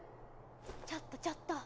ちょっとちょっと。